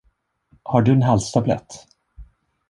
Har du en halstablett?